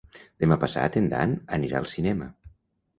Demà passat en Dan anirà al cinema.